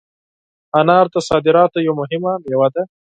انار د صادراتو یوه مهمه مېوه ده.